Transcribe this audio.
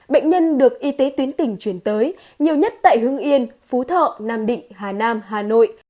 bệnh nhân được y tế tuyến tỉnh chuyển tới nhiều nhất tại hưng yên phú thọ nam định hà nam hà nội